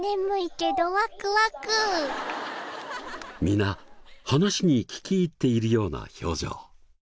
皆話に聞き入っているような表情。